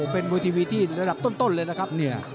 เป็นมวยทีวีที่ระดับต้นเลยนะครับ